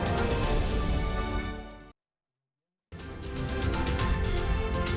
ini juga sudah terjadi